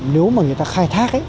nếu mà người ta khai thác ấy